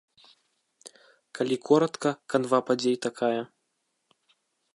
Калі коратка, канва падзей такая.